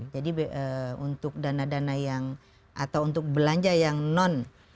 jadi untuk dana dana yang atau untuk belanja yang non